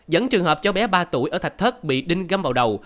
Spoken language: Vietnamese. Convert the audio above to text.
dẫn trường hợp cháu bé ba tuổi ở thạch thất bị đinh gâm vào đầu